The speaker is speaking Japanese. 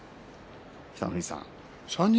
北の富士さん。